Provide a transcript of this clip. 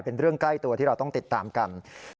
เป็นเรื่องใกล้ตัวที่เราต้องติดตามกัน